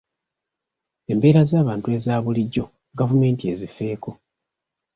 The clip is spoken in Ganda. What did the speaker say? Embeera z'abantu eza bulijjo gavumenti ezifeeko.